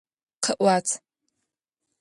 Къэӏуат!